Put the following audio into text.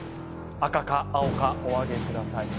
赤か青かおあげください